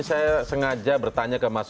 saya sengaja bertanya ke mas